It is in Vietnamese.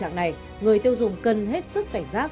trạng này người tiêu dùng cần hết sức cảnh giác